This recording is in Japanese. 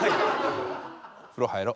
風呂入ろ。